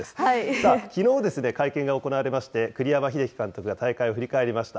さあ、きのう会見が行われまして、栗山英樹監督が大会を振り返りました。